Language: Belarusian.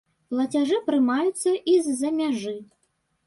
Плацяжы прымаюцца і з-за мяжы.